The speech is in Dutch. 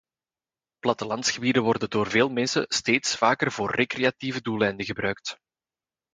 Plattelandsgebieden worden door veel mensen steeds vaker voor recreatieve doeleinden gebruikt.